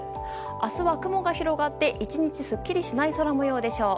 明日は雲が広がって１日すっきりしない空模様でしょう。